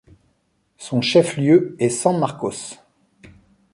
Son chef-lieu est San Marcos.